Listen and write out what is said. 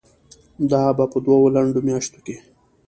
دا به په دوو لنډو میاشتو کې